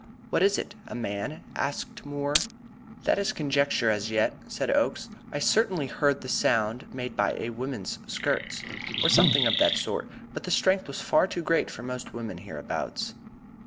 "What is it? A man?" asked Moore. "That is conjecture as yet," said Oakes. "I certainly beard the sound made by a woman's skirts, or something of that sort, but the strength was too great for most women hereabouts."